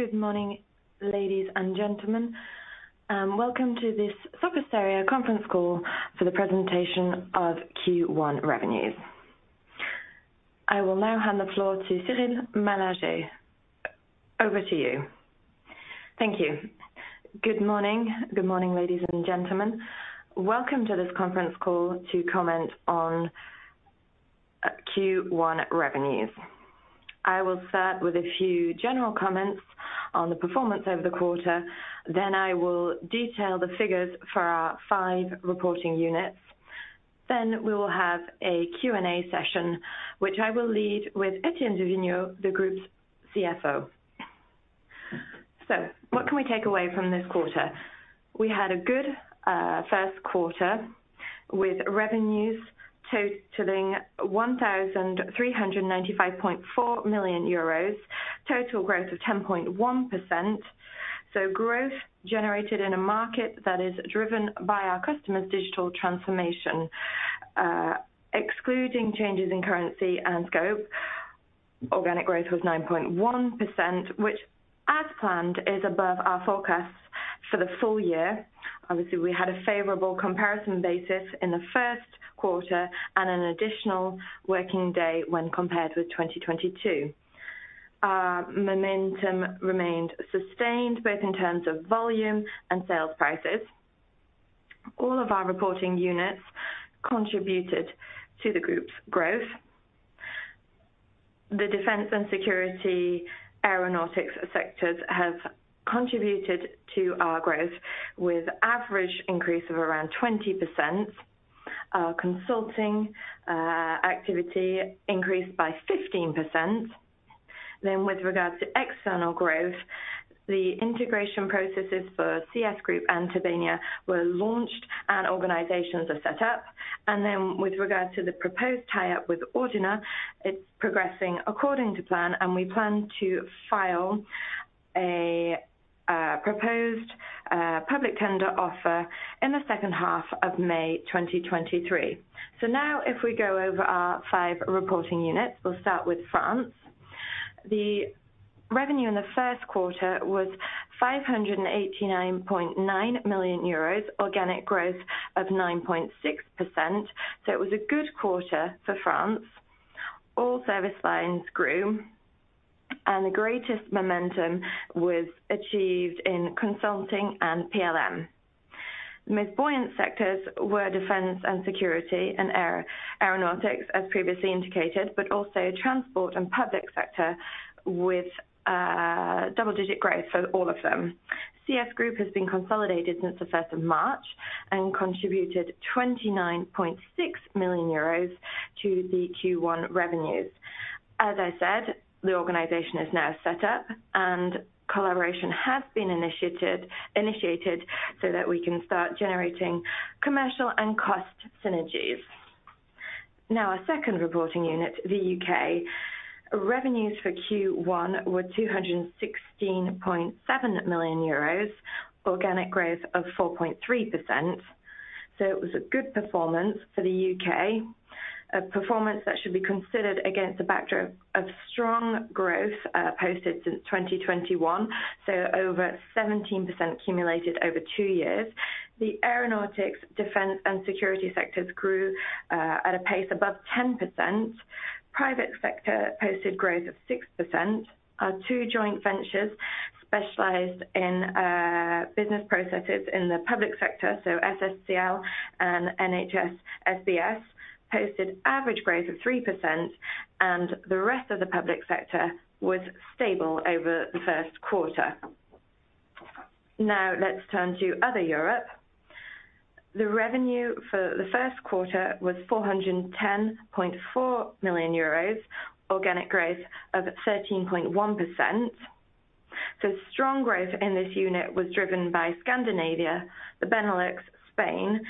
Good morning, ladies and gentlemen. Welcome to this Sopra Steria conference call for the presentation of Q1 revenues. I will now hand the floor to Cyril Malargé. Over to you. Thank you. Good morning. Good morning, ladies and gentlemen. Welcome to this conference call to comment on Q1 revenues. I will start with a few general comments on the performance over the quarter. I will detail the figures for our five reporting units. We will have a Q&A session, which I will lead with Etienne du Vignaux, the Group's CFO. What can we take away from this quarter? We had a good first quarter with revenues totaling 1,395.4 million euros. Total growth of 10.1%. Growth generated in a market that is driven by our customers digital transformation. Excluding changes in currency and scope, organic growth was 9.1%, which as planned, is above our forecasts for the full year. Obviously, we had a favorable comparison basis in the first quarter and an additional working day when compared with 2022. Momentum remained sustained both in terms of volume and sales prices. All of our reporting units contributed to the Group's growth. The defense and security aeronautics sectors have contributed to our growth with average increase of around 20%. Consulting activity increased by 15%. With regards to external growth, the integration processes for CS Group and Tobania were launched and organizations are set up. With regards to the proposed tie-up with Ordina, it's progressing according to plan, and we plan to file a proposed public tender offer in the second half of May 2023. If we go over our five reporting units, we'll start with France. The revenue in the 1st quarter was 589.9 million euros. Organic growth of 9.6%. It was a good quarter for France. All service lines grew, and the greatest momentum was achieved in consulting and PLM. The most buoyant sectors were defense and security and aeronautics, as previously indicated, but also transport and public sector with double-digit growth for all of them. CS Group has been consolidated since the 1st of March and contributed 29.6 million euros to the Q1 revenues. As I said, the organization is now set up and collaboration has been initiated so that we can start generating commercial and cost synergies. Our second reporting unit, the UK. Revenues for Q1 were 216.7 million euros. Organic growth of 4.3%. It was a good performance for the UK, a performance that should be considered against the backdrop of strong growth, posted since 2021. Over 17% accumulated over two years. The aeronautics, defense and security sectors grew at a pace above 10%. Private sector posted growth of 6%. Our two JVs specialized in business processes in the public sector. SSCL and NHS SBS posted average growth of 3% and the rest of the public sector was stable over the first quarter. Now let's turn to other Europe. The revenue for the first quarter was 410.4 million euros. Organic growth of 13.1%. Strong growth in this unit was driven by Scandinavia, the Benelux, Spain,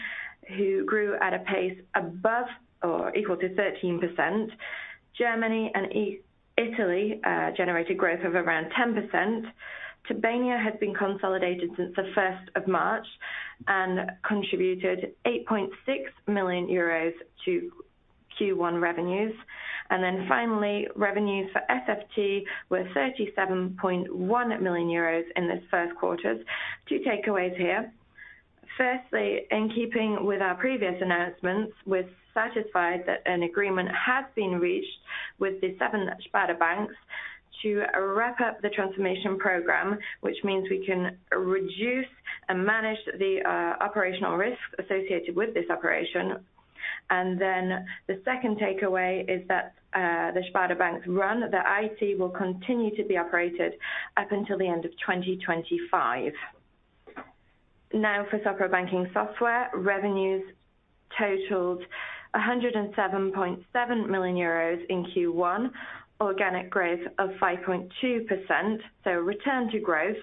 who grew at a pace above or equal to 13%. Germany and Italy generated growth of around 10%. Tobania has been consolidated since the first of March and contributed 8.6 million euros to Q1 revenues. Finally, revenues for SFT were 37.1 million euros in this first quarter. Two takeaways here. Firstly, in keeping with our previous announcements, we're satisfied that an agreement has been reached with the seven Sparda banks to wrap up the transformation program, which means we can reduce and manage the operational risk associated with this operation. The second takeaway is that the Sparda Bank run, the IT will continue to be operated up until the end of 2025. For Sopra Banking Software, revenues totaled EUR 107.7 million in Q1, organic growth of 5.2%. Return to growth.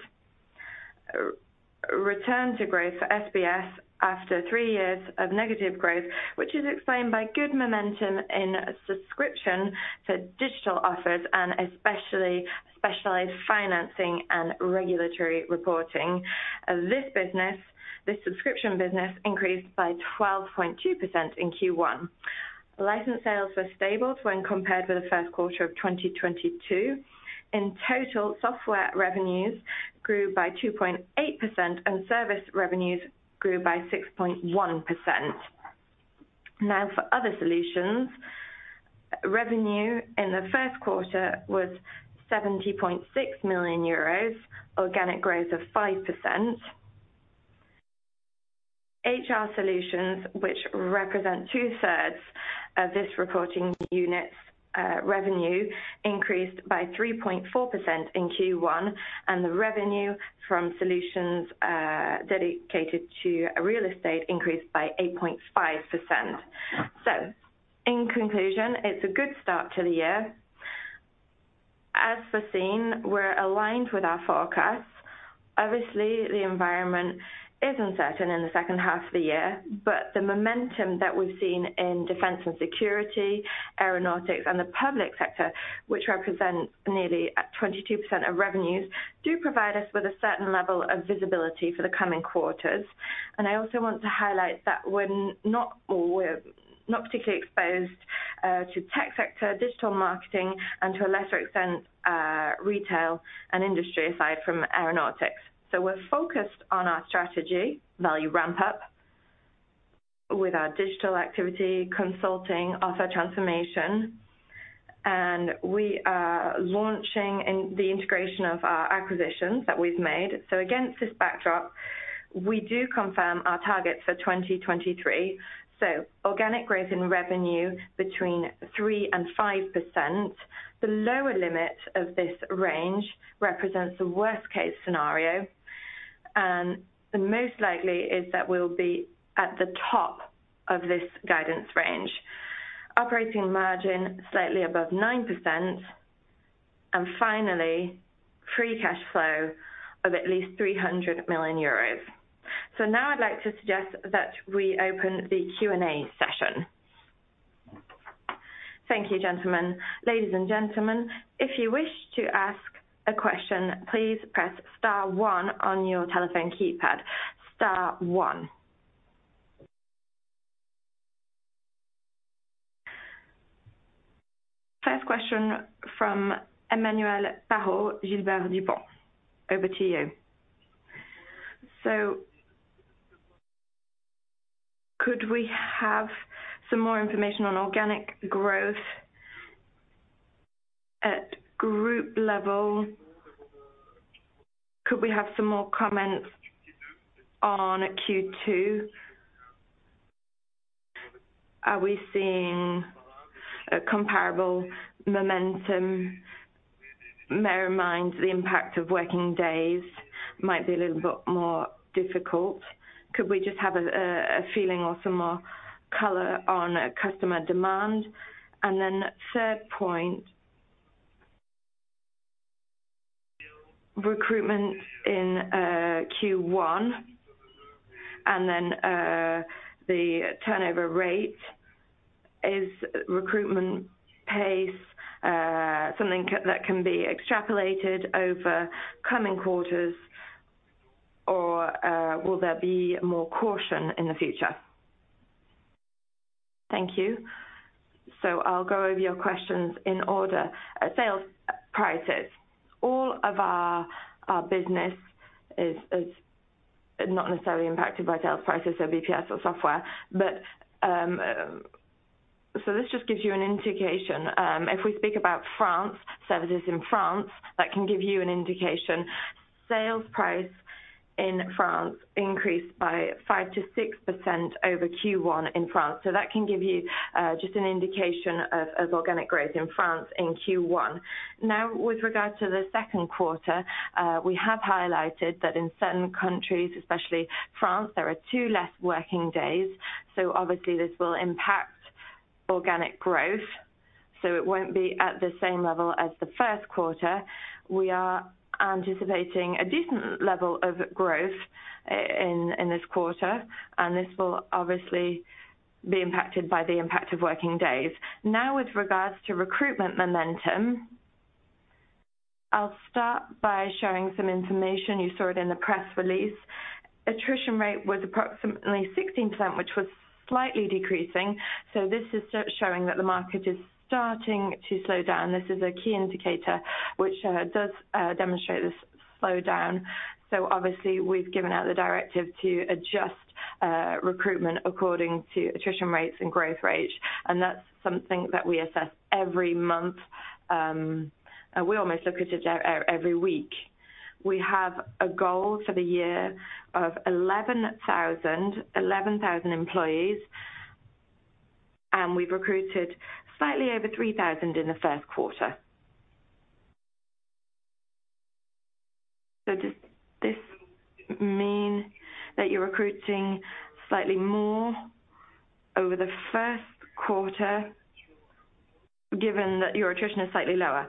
Return to growth for SBS after three years of negative growth, which is explained by good momentum in subscription to digital offers and especially specialized financing and regulatory reporting. This subscription business increased by 12.2% in Q1. License sales were stable when compared with the first quarter of 2022. In total, software revenues grew by 2.8% and service revenues grew by 6.1%. For other solutions, revenue in the first quarter was 70.6 million euros, organic growth of 5%. HR solutions, which represent two-thirds of this reporting unit's revenue, increased by 3.4% in Q1, and the revenue from solutions dedicated to real estate increased by 8.5%. In conclusion, it's a good start to the year. As foreseen, we're aligned with our forecasts. Obviously, the environment is uncertain in the second half of the year, but the momentum that we've seen in defense and security, aeronautics and the public sector, which represents nearly at 22% of revenues, do provide us with a certain level of visibility for the coming quarters. I also want to highlight that we're not particularly exposed to tech sector, digital marketing and to a lesser extent, retail and industry aside from aeronautics. We're focused on our strategy, value ramp-up with our digital activity consulting, also transformation, and we are launching in the integration of our acquisitions that we've made. Against this backdrop, we do confirm our targets for 2023. Organic growth in revenue between 3% and 5%. The lower limit of this range represents the worst case scenario, and the most likely is that we'll be at the top of this guidance range. Operating margin slightly above 9%. Finally, free cash flow of at least 300 million euros. Now I'd like to suggest that we open the Q&A session. Thank you, gentlemen. Ladies and gentlemen, if you wish to ask a question, please press star one on your telephone keypad. Star one. First question from Emmanuel Parot, Gilbert Dupont. Over to you. Could we have some more information on organic growth at group level? Could we have some more comments on Q2? Are we seeing a comparable momentum, bear in mind, the impact of working days might be a little bit more difficult. Could we just have a feeling or some more color on customer demand? Third point, recruitment in Q1, the turnover rate. Is recruitment pace something that can be extrapolated over coming quarters or will there be more caution in the future? Thank you. I'll go over your questions in order. Sales prices. All of our business is not necessarily impacted by sales prices, so BPS or software. This just gives you an indication. If we speak about France, services in France, that can give you an indication. Sales price in France increased by 5%-6% over Q1 in France. That can give you just an indication of organic growth in France in Q1. With regards to the second quarter, we have highlighted that in certain countries, especially France, there are two less working days. Obviously this will impact organic growth, so it won't be at the same level as the first quarter. We are anticipating a decent level of growth in this quarter, and this will obviously be impacted by the impact of working days. Now with regards to recruitment momentum, I'll start by sharing some information you saw it in the press release. Attrition rate was approximately 16%, which was slightly decreasing. This is showing that the market is starting to slow down. This is a key indicator which does demonstrate this slowdown. Obviously we've given out the directive to adjust recruitment according to attrition rates and growth rates, and that's something that we assess every month. We almost look at it every week. We have a goal for the year of 11,000, 11,000 employees, and we've recruited slightly over 3,000 in the first quarter. Does this mean that you're recruiting slightly more over the first quarter given that your attrition is slightly lower?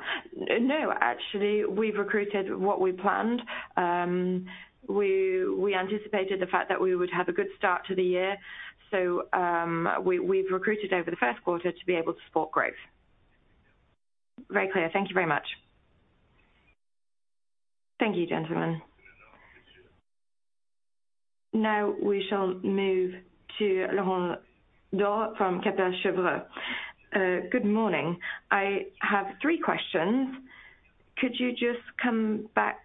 No, actually, we've recruited what we planned. We anticipated the fact that we would have a good start to the year. We've recruited over the first quarter to be able to support growth. Very clear. Thank you very much. Thank you, gentlemen. Now we shall move to Laurent Daure from Kepler Cheuvreux. Good morning. I have three questions. Could you just come back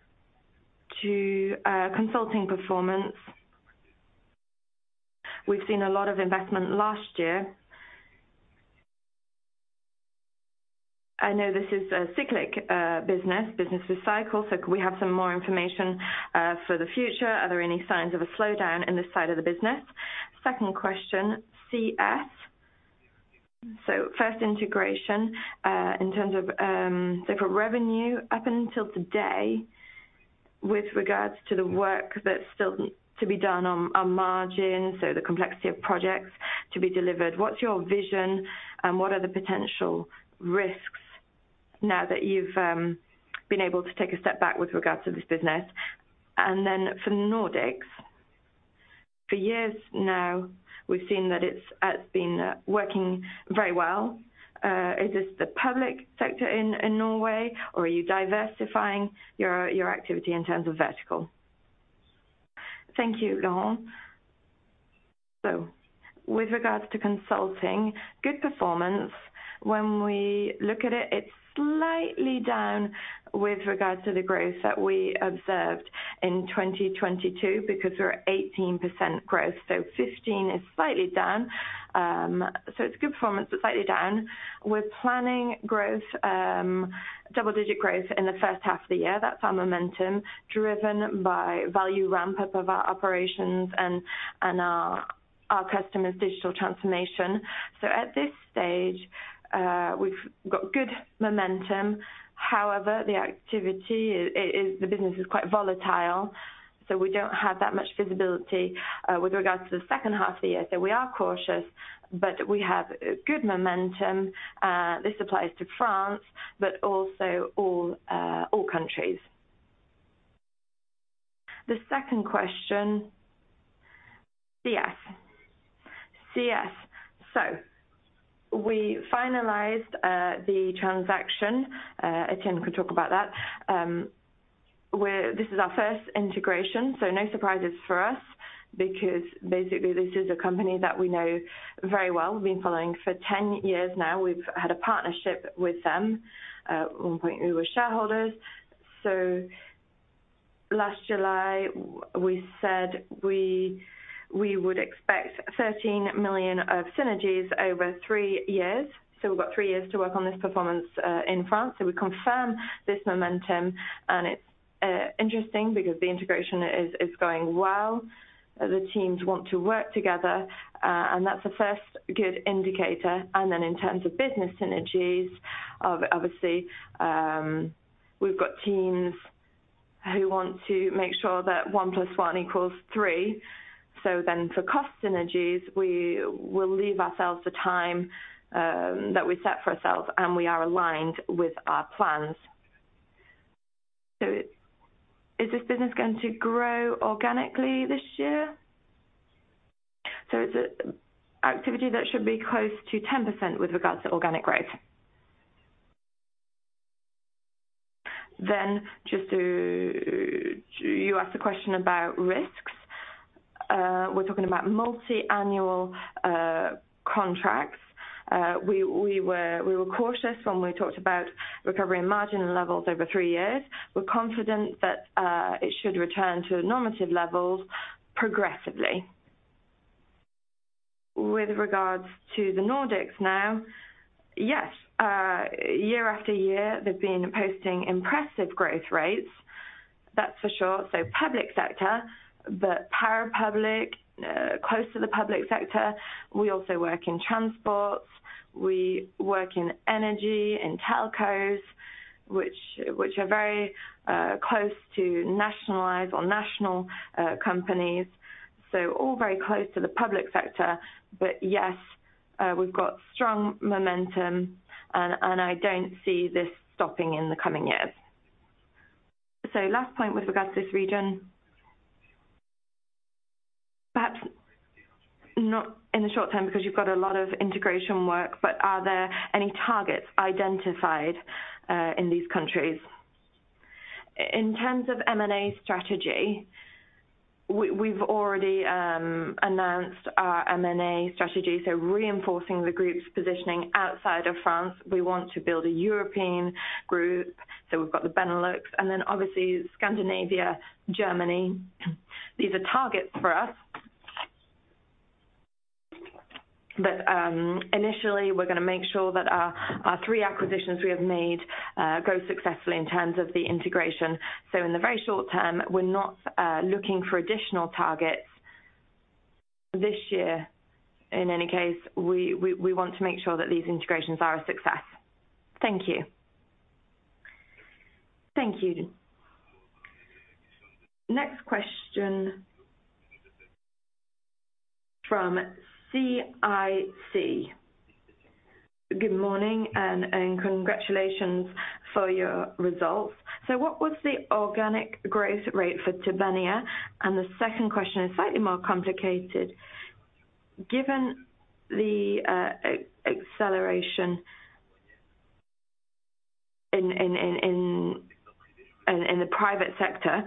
to consulting performance? We've seen a lot of investment last year. I know this is a cyclic business recycle, so could we have some more information for the future? Are there any signs of a slowdown in this side of the business? Second question, CS. First integration in terms of so for revenue up until today with regards to the work that's still to be done on margin, so the complexity of projects to be delivered, what's your vision and what are the potential risks now that you've been able to take a step back with regards to this business? For Nordics, for years now, we've seen that it's been working very well. Is this the public sector in Norway, or are you diversifying your activity in terms of vertical? Thank you, Laurent. With regards to consulting, good performance. When we look at it's slightly down with regards to the growth that we observed in 2022 because we're at 18% growth. 15 is slightly down. It's good performance, but slightly down. We're planning growth, double-digit growth in the first half of the year. That's our momentum, driven by value ramp-up of our operations and our customers' digital transformation. At this stage, we've got good momentum. However, the activity is the business is quite volatile, we don't have that much visibility with regards to the second half of the year. We are cautious, but we have good momentum. This applies to France, but also all countries. The second question, CS. We finalized the transaction. Etienne could talk about that. This is our first integration, so no surprises for us because basically this is a company that we know very well. We've been following for 10 years now. We've had a partnership with them. At one point we were shareholders. Last July, we said we would expect 13 million of synergies over three years. We've got three years to work on this performance in France. We confirm this momentum, and it's interesting because the integration is going well. The teams want to work together, and that's the first good indicator. In terms of business synergies, obviously, we've got teams who want to make sure that one plus one equals three. For cost synergies, we will leave ourselves the time that we set for ourselves, and we are aligned with our plans. Is this business going to grow organically this year? It's an activity that should be close to 10% with regards to organic growth. You asked a question about risks. We're talking about multi-annual contracts. We were cautious when we talked about recovery and margin levels over three years. We're confident that it should return to normative levels progressively. With regards to the Nordics now, yes, year after year, they've been posting impressive growth rates, that's for sure. Public sector, but parapublic, close to the public sector. We also work in transports. We work in energy, in telcos, which are very close to nationalized or national companies. All very close to the public sector. Yes, we've got strong momentum, and I don't see this stopping in the coming years. Last point with regards to this region, perhaps not in the short term because you've got a lot of integration work, but are there any targets identified in these countries? In terms of M&A strategy, we've already announced our M&A strategy, so reinforcing the group's positioning outside of France. We want to build a European group. We've got the Benelux, and then obviously Scandinavia, Germany. These are targets for us. Initially, we're gonna make sure that our three acquisitions we have made go successfully in terms of the integration. In the very short term, we're not looking for additional targets this year. In any case, we want to make sure that these integrations are a success. Thank you. Thank you. Next question from CIC. Good morning, and congratulations for your results. What was the organic growth rate for Tobania? The second question is slightly more complicated. Given the acceleration in the private sector,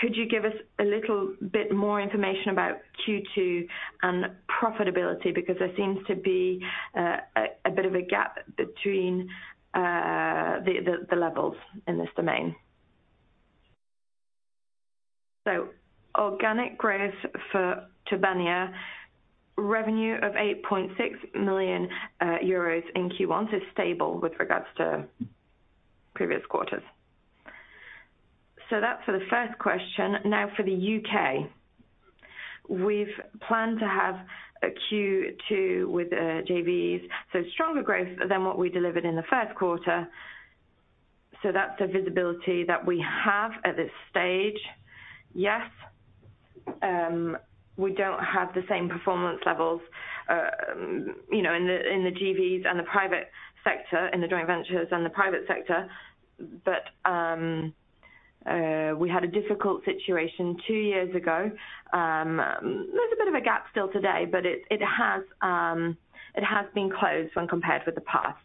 could you give us a little bit more information about Q2 and profitability because there seems to be a bit of a gap between the levels in this domain. Organic growth for Tobania, revenue of 8.6 million euros in Q1 is stable with regards to previous quarters. That's for the first question. Now for the UK. We've planned to have a Q2 with JVs, so stronger growth than what we delivered in the first quarter. That's the visibility that we have at this stage. Yes, we don't have the same performance levels, you know, in the JVs and the private sector, in the joint ventures and the private sector. We had a difficult situation two years ago. There's a bit of a gap still today, but it has been closed when compared with the past.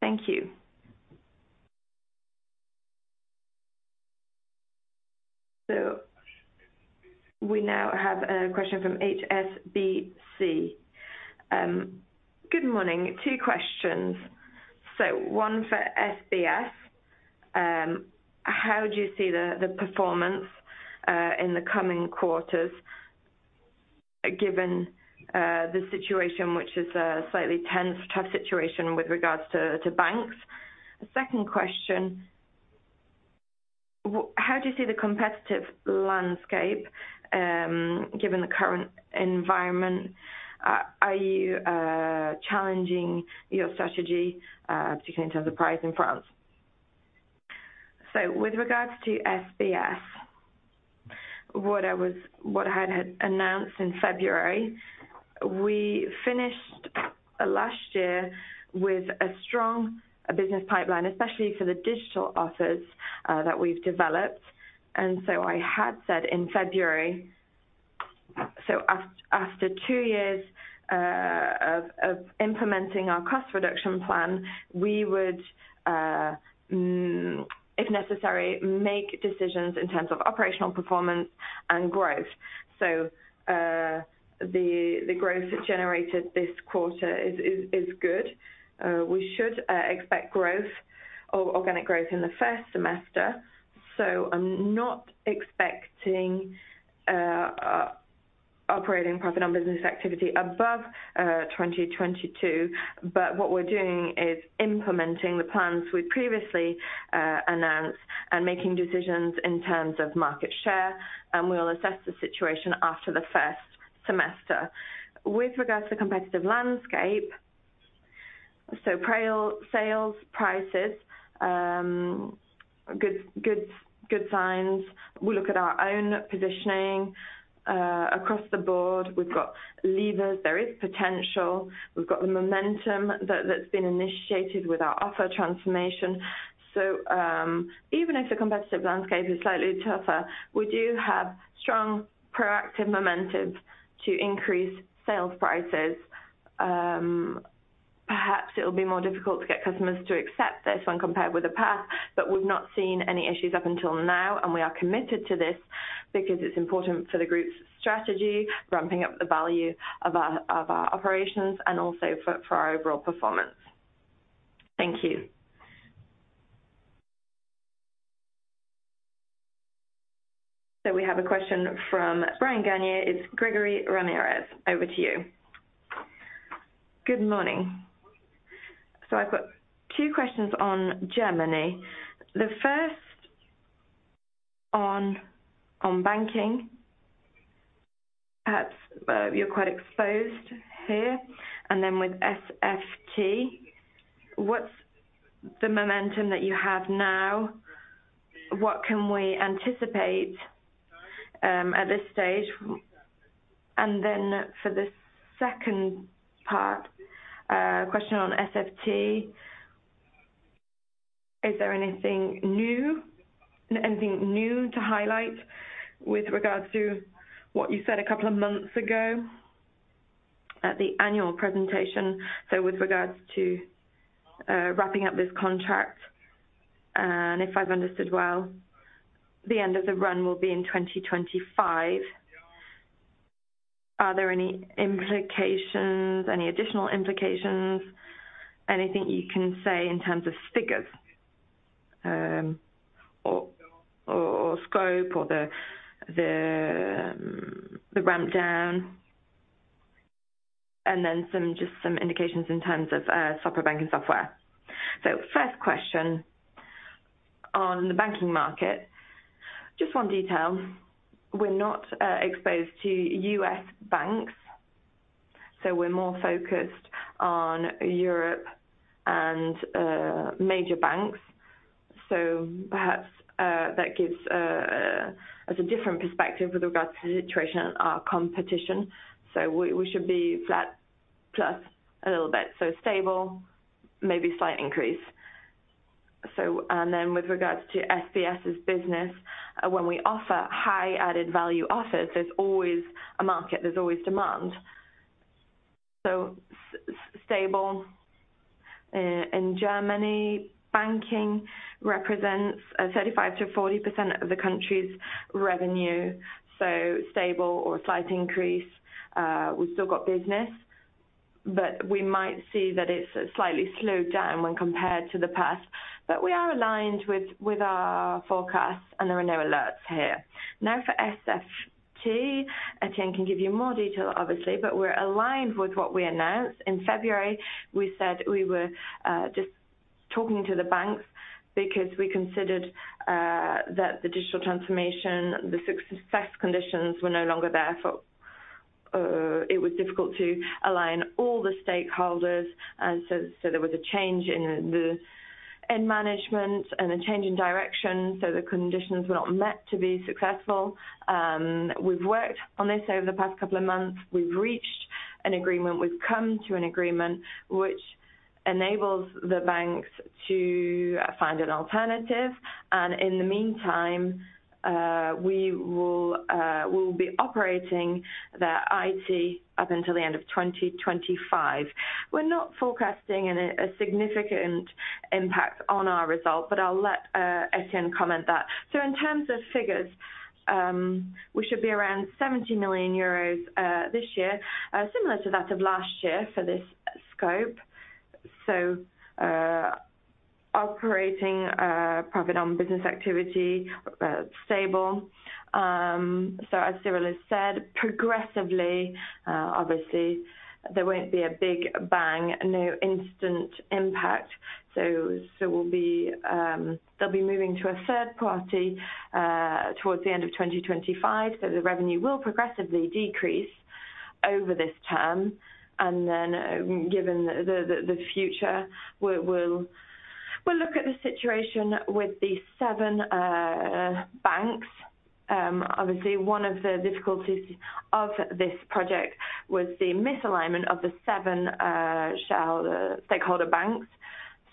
Thank you. We now have a question from HSBC. Good morning. Two questions. One for SBS. How do you see the performance in the coming quarters given the situation, which is a slightly tense, tough situation with regards to banks? The second question, how do you see the competitive landscape given the current environment? Are you challenging your strategy, particularly in terms of price in France? With regards to SBS, what I had announced in February, we finished last year with a strong business pipeline, especially for the digital offers that we've developed. I had said in February, after two years of implementing our cost reduction plan, we would, if necessary, make decisions in terms of operational performance and growth. The growth generated this quarter is good. We should expect organic growth in the first semester. I'm not expecting operating profit on business activity above 2022. What we're doing is implementing the plans we previously announced and making decisions in terms of market share, and we'll assess the situation after the first semester. With regards to competitive landscape, sales, prices, good signs. We look at our own positioning across the board. We've got levers. There is potential. We've got the momentum that's been initiated with our offer transformation. Even if the competitive landscape is slightly tougher, we do have strong proactive momentum to increase sales prices. Perhaps it will be more difficult to get customers to accept this when compared with the past, but we've not seen any issues up until now, and we are committed to this because it's important for the group's strategy, ramping up the value of our operations and also for our overall performance. Thank you. We have a question from Bryan Garnier. It's Gregory Ramirez. Over to you. Good morning. I've got two questions on Germany. The first on banking. Perhaps, you're quite exposed here. With SFT, what's the momentum that you have now? What can we anticipate at this stage? For the second part, question on SFT, is there anything new to highlight with regards to what you said a couple of months ago at the annual presentation? With regards to wrapping up this contract, and if I've understood well, the end of the run will be in 2025. Are there any implications, any additional implications? Anything you can say in terms of figures, or scope or the ramp down? Just some indications in terms of Sopra Banking Software. First question on the banking market. Just one detail. We're not exposed to U.S. banks, so we're more focused on Europe and major banks. Perhaps that gives us a different perspective with regards to the situation and our competition. We should be flat plus a little bit, so stable, maybe slight increase. With regards to SBS's business, when we offer high added value offers, there's always a market, there's always demand. Stable in Germany, banking represents 35%-40% of the country's revenue, so stable or slight increase. We've still got business, but we might see that it's slightly slowed down when compared to the past. We are aligned with our forecasts, and there are no alerts here. For SFT, Etienne can give you more detail, obviously, but we're aligned with what we announced. In February, we said we were just talking to the banks because we considered that the digital transformation, the success conditions were no longer there. It was difficult to align all the stakeholders. There was a change in the end management and a change in direction, so the conditions were not met to be successful. We've worked on this over the past couple of months. We've reached an agreement. We've come to an agreement which enables the banks to find an alternative. In the meantime, we will be operating their IT up until the end of 2025. We're not forecasting a significant impact on our result, but I'll let Etienne comment that. In terms of figures, we should be around 70 million euros this year, similar to that of last year for this scope. Operating profit on business activity stable. As Cyril has said, progressively obviously, there won't be a big bang, no instant impact. They'll be moving to a third party towards the end of 2025, so the revenue will progressively decrease over this term. Given the, the future, we'll, we'll look at the situation with the seven banks. Obviously, one of the difficulties of this project was the misalignment of the seven shareholder, stakeholder banks.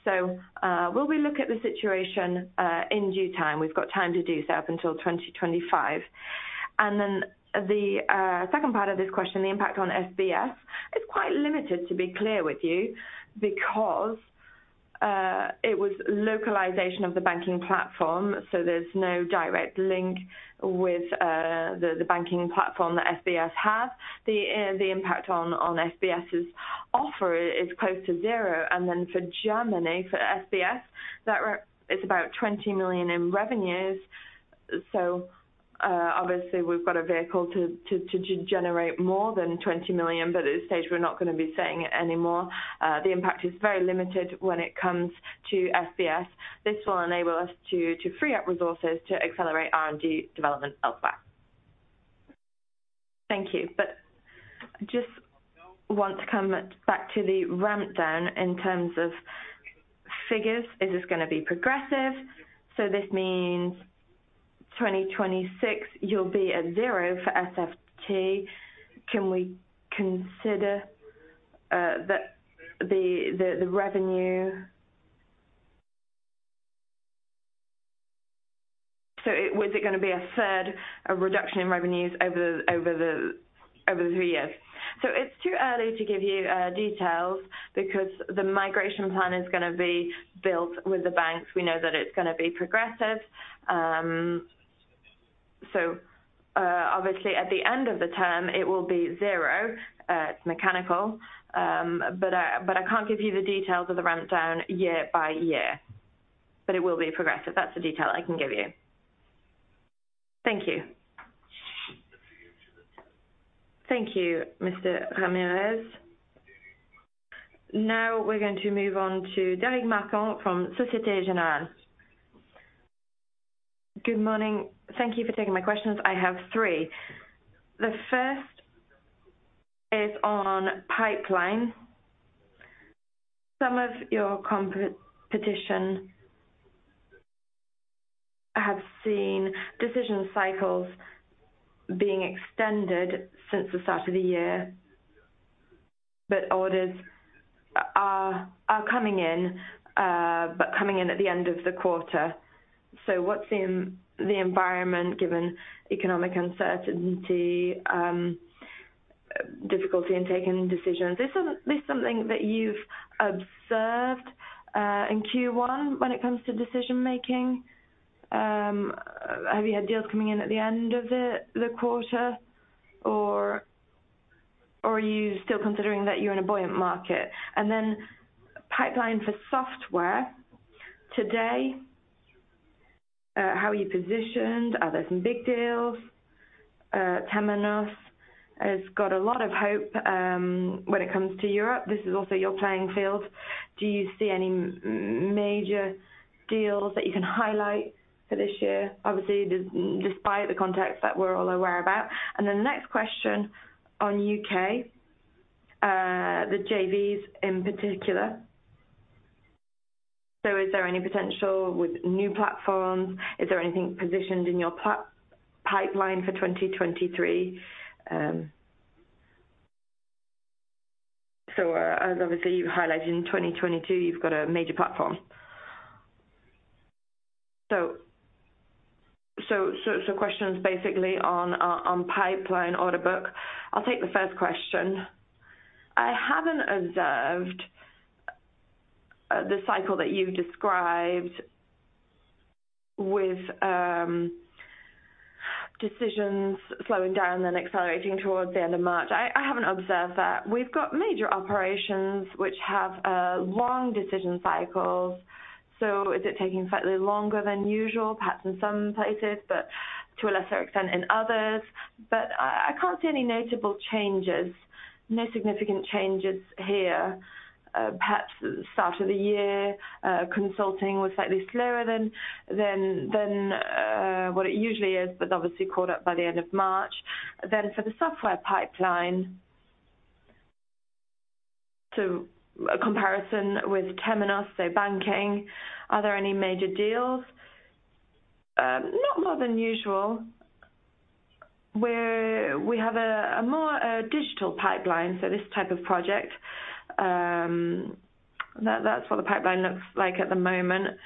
We will look at the situation in due time. We've got time to do so up until 2025. Then the second part of this question, the impact on SBS, is quite limited, to be clear with you, because it was localization of the banking platform, so there's no direct link with the banking platform that SBS has. The impact on SBS's offer is close to zero. Then for Germany, for SBS, that it's about 20 million in revenues. Obviously we've got a vehicle to generate more than 20 million, but at this stage, we're not gonna be saying it anymore. The impact is very limited when it comes to SBS. This will enable us to free up resources to accelerate R&D development elsewhere. Thank you. Just want to come back to the ramp down in terms of figures. Is this gonna be progressive? This means 2026, you'll be at zero for SFT. Can we consider the revenue? Was it gonna be a third, a reduction in revenues over the three years? It's too early to give you details because the migration plan is gonna be built with the banks. We know that it's gonna be progressive. Obviously at the end of the term, it will be zero, it's mechanical. I can't give you the details of the ramp down year by year. It will be progressive. That's the detail I can give you. Thank you. Thank you, Mr. Ramirez. Now we're going to move on to Derric Marcon from Societe Generale. Good morning. Thank you for taking my questions. I have 3. The first is on pipeline. Some of your competition have seen decision cycles being extended since the start of the year, but orders are coming in, but coming in at the end of the quarter. What's in the environment, given economic uncertainty, difficulty in taking decisions? Is this something that you've observed in Q1 when it comes to decision-making? Have you had deals coming in at the end of the quarter? Are you still considering that you're in a buoyant market? Pipeline for software today, how are you positioned? Are there some big deals? Temenos has got a lot of hope when it comes to Europe. This is also your playing field. Do you see any major deals that you can highlight for this year? Obviously, despite the context that we're all aware about. The next question on UK, the JVs in particular. Is there any potential with new platforms? Is there anything positioned in your pipeline for 2023? As obviously you highlighted in 2022, you've got a major platform. Questions basically on pipeline order book. I'll take the first question. I haven't observed the cycle that you've described with decisions slowing down then accelerating towards the end of March. I haven't observed that. We've got major operations which have long decision cycles. Is it taking slightly longer than usual? Perhaps in some places, but to a lesser extent in others. I can't see any notable changes. No significant changes here. Perhaps the start of the year, consulting was slightly slower than what it usually is, but obviously caught up by the end of March. For the software pipeline, so a comparison with Temenos, so banking, are there any major deals? Not more than usual. We have a more digital pipeline, so this type of project. That's what the pipeline looks like at the moment.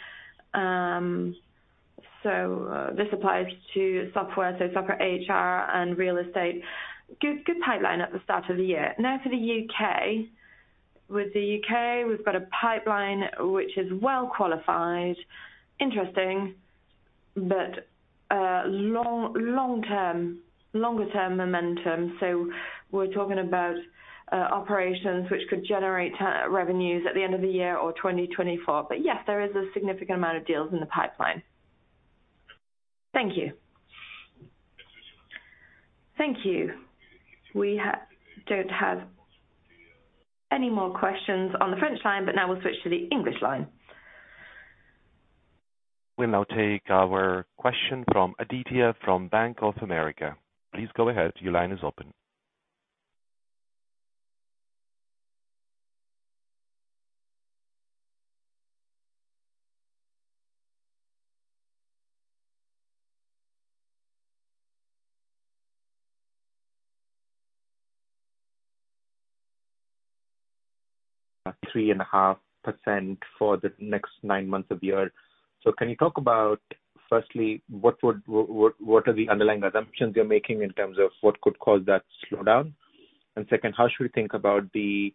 This applies to software, so software HR and real estate. Good pipeline at the start of the year. Now to the UK. With the UK, we've got a pipeline which is well qualified, interesting, but long term, longer term momentum. We're talking about operations which could generate revenues at the end of the year or 2024. Yes, there is a significant amount of deals in the pipeline. Thank you. Thank you. We don't have any more questions on the French line, but now we'll switch to the English line. We'll now take our question from Aditi from Bank of America. Please go ahead. Your line is open. 3.5% for the next nine months of the year. Can you talk about, firstly, what are the underlying assumptions you're making in terms of what could cause that slowdown? Second, how should we think about the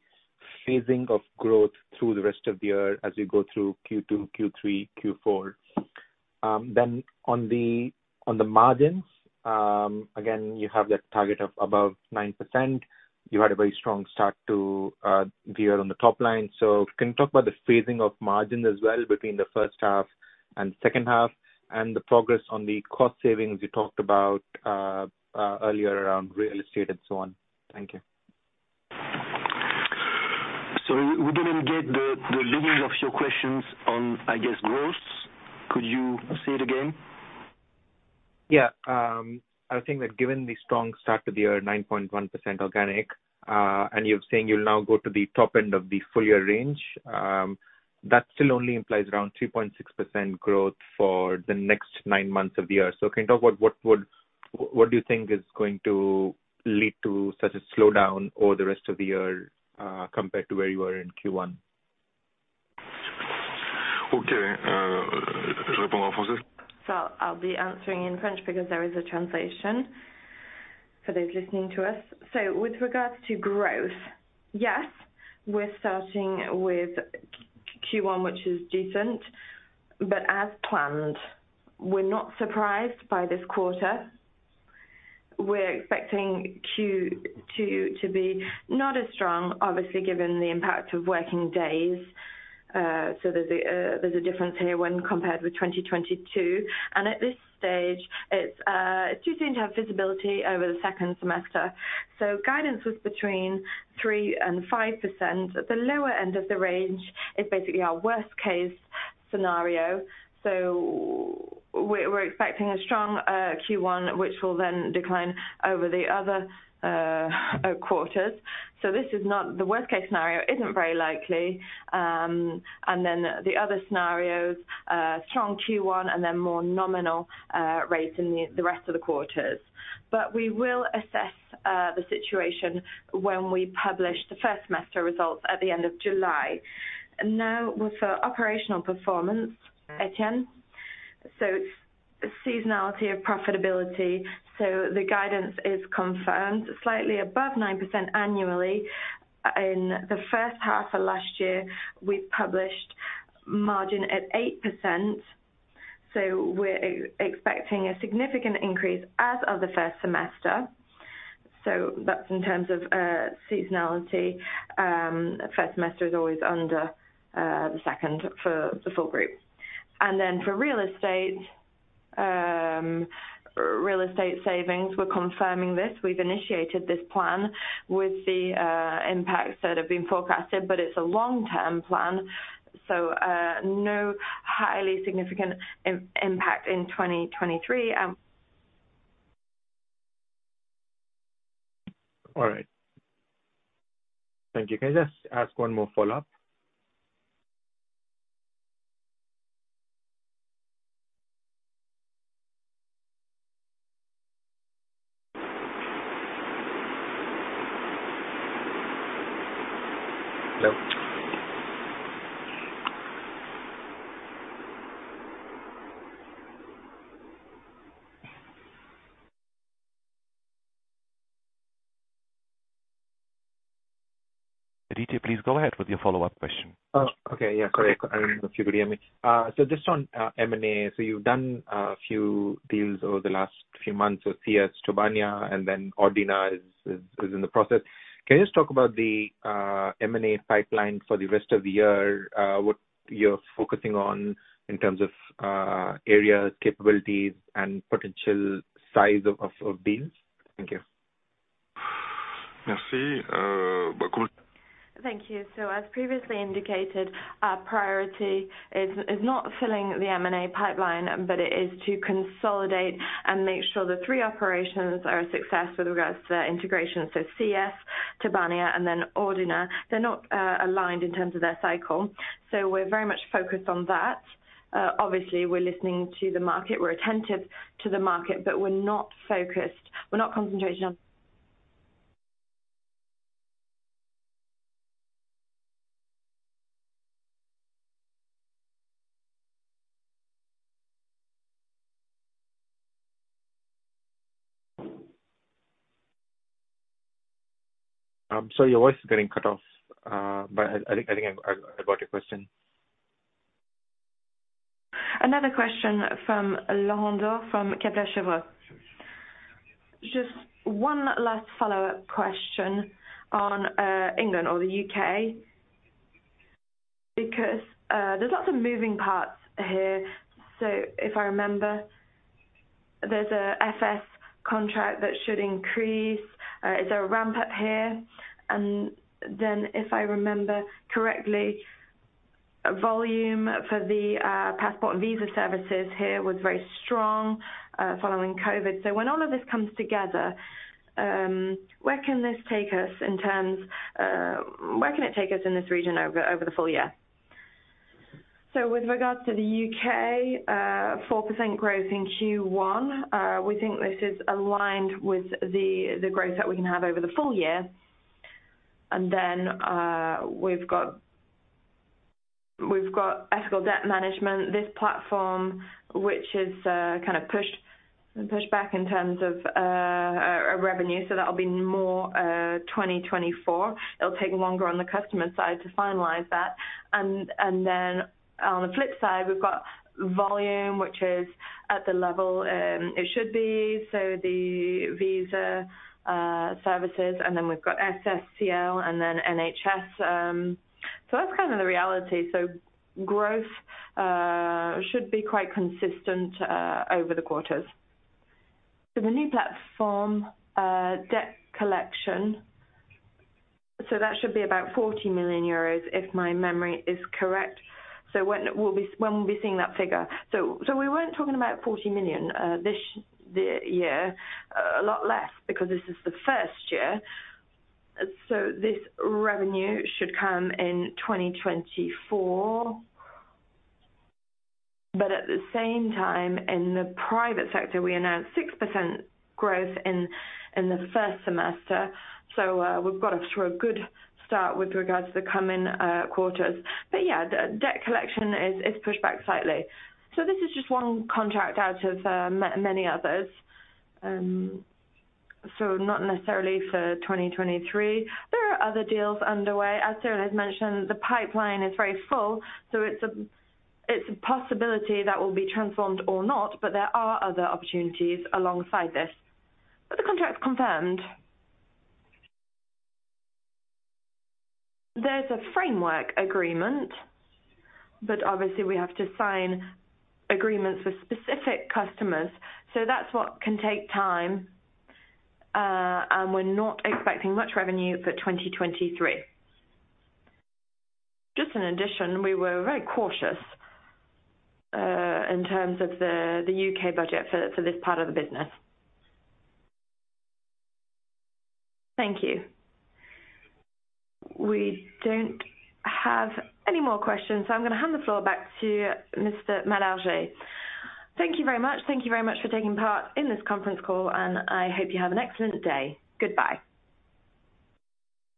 phasing of growth through the rest of the year as we go through Q2, Q3, Q4? On the, on the margins, again, you have that target of above 9%. You had a very strong start to the year on the top line. Can you talk about the phasing of margins as well between the first half and second half and the progress on the cost savings you talked about earlier around real estate and so on? Thank you. We didn't get the lineage of your questions on, I guess, growth. Could you say it again? I think that given the strong start to the year, 9.1% organic, and you're saying you'll now go to the top end of the full year range, that still only implies around 3.6% growth for the next nine months of the year. Can you talk about what do you think is going to lead to such a slowdown over the rest of the year, compared to where you were in Q1? Okay. All right. Thank you. Can I just ask one more follow-up? Aditi, please go ahead with your follow-up question. Oh, okay. Yeah. Correct. Yeah. Arun from Figo, yeah. Just on M&A. You've done a few deals over the last few months with CS, Tobania, and then Ordina is in the process. Can you just talk about the M&A pipeline for the rest of the year, what you're focusing on in terms of areas, capabilities, and potential size of deals? Thank you. Merci. Thank you. As previously indicated, our priority is not filling the M&A pipeline, but it is to consolidate and make sure the three operations are a success with regards to their integration. CS, Tobania, and Ordina. They're not aligned in terms of their cycle, so we're very much focused on that. Obviously, we're listening to the market. We're attentive to the market, we're not concentrated on... Your voice is getting cut off, but I think I got your question. Another question from Laurent, from Kepler Cheuvreux. Just one last follow-up question on England or the U.K., because there's lots of moving parts here. If I remember, there's a FS contract that should increase. Is there a ramp-up here? If I remember correctly, volume for the passport and visa services here was very strong following COVID. When all of this comes together, where can this take us in terms, where can it take us in this region over the full year? With regards to the U.K., 4% growth in Q1. We think this is aligned with the growth that we can have over the full year. We've got ethical debt management. This platform, which is kind of pushed back in terms of revenue. That'll be more 2024. It'll take longer on the customer side to finalize that. Then on the flip side, we've got volume, which is at the level it should be. The visa services, and then we've got SSCL and then NHS. That's kind of the reality. Growth should be quite consistent over the quarters. The new platform, debt collection. That should be about 40 million euros if my memory is correct. When will we be seeing that figure? We weren't talking about 40 million this year. A lot less because this is the first year. This revenue should come in 2024. At the same time, in the private sector, we announced 6% growth in the first semester. We've got off to a good start with regards to the coming quarters. Yeah, the debt collection is pushed back slightly. This is just one contract out of many others. Not necessarily for 2023. There are other deals underway. As Cyril has mentioned, the pipeline is very full, so it's a possibility that will be transformed or not, but there are other opportunities alongside this. The contract's confirmed. There's a framework agreement, but obviously, we have to sign agreements with specific customers. That's what can take time, and we're not expecting much revenue for 2023. Just an addition, we were very cautious in terms of the UK budget for this part of the business. Thank you. We don't have any more questions, so I'm gonna hand the floor back to Mr. Thank you very much. Thank you very much for taking part in this conference call, and I hope you have an excellent day. Goodbye.